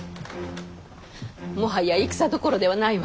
もはや戦どころではないわ。